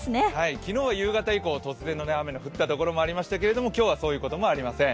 昨日は夕方以降、突然雨の降ったところもありましたけれども、今日はそういうこともありません。